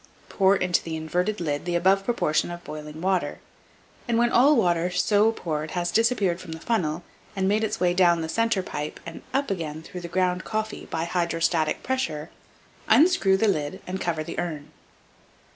Pour into the inverted lid the above proportion of boiling water, and when all the water so poured has disappeared from the funnel, and made its way down the centre pipe and up again through the ground coffee by hydrostatic pressure, unscrew screw the lid and cover the urn.